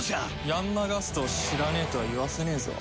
ヤンマ・ガストを知らねえとは言わせねえぞ。